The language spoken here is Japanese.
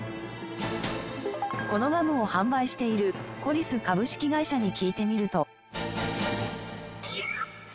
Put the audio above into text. このガムを販売しているコリス株式会社に聞いてみると。